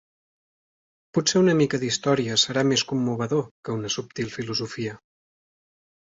Potser una mica d"història serà més commovedor que una subtil filosofia.